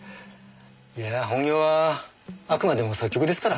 いや本業はあくまでも作曲ですから。